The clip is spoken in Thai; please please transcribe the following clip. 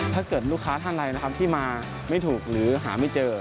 ถ้าเกิดลูกค้าท่านใดนะครับที่มาไม่ถูกหรือหาไม่เจอ